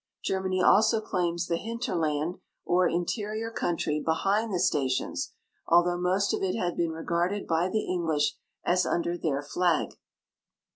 Germany also claims the hinterland or interior country behind the stations, although most of it had been re garded by the English as under their flag.